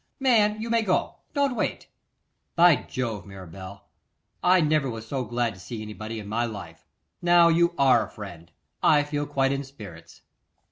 _ Man, you may go; don't wait.' 'By Jove, Mirabel, I never was so glad to see anybody in my life. Now, you are a friend; I feel quite in spirits.